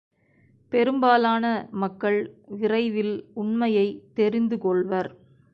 பெரும்பாலான மக்கள் விரைவில் உண்மையைத் தெரிந்துகொள்வர்.